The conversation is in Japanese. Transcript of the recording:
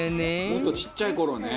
「もっとちっちゃい頃ね」